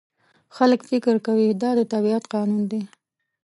خلک فکر کوي دا د طبیعت قانون دی.